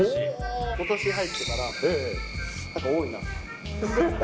ことし入ってから、なんか多いなと。